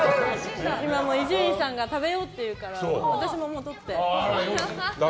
伊集院さんが食べようって言うから私もとって。